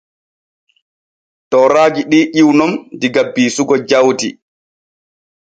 Tooraaji ɗi ƴiwu nun diga biisugo jawdi.